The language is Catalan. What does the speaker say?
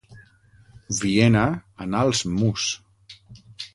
Viena, Anals Mus.